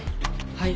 はい。